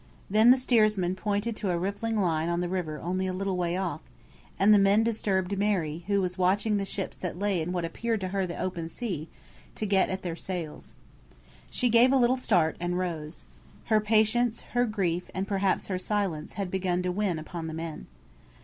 Then the steersman pointed to a rippling line in the river only a little way off, and the men disturbed Mary, who was watching the ships that lay in what appeared to her the open sea, to get at their sails. She gave a little start, and rose. Her patience, her grief, and perhaps her silence, had begun to win upon the men.